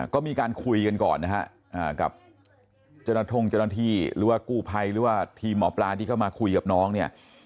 ก็มีการคุยกันก่อนนะฮะกับเจ้าหน้าที่หรือว่ากู้ภัยหรือว่าทีมหมอปลาที่เข้ามาคุยกับน้องเนี่ย